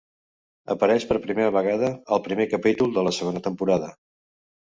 Apareix per primera vegada al primer capítol de la segona temporada.